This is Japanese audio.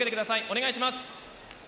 お願いします。